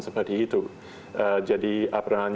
seperti itu jadi itu adalah hal yang sangat penting